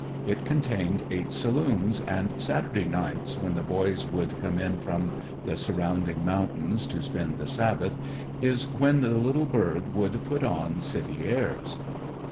It contained eight saloons; and Saturday nights when the boys would come in from the surrounding mountains, to spend the Sabbath, is when the little burg would put on city airs.